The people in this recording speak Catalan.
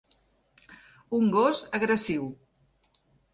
Un gos agressiu.